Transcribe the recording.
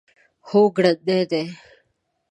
هو، ګړندی دی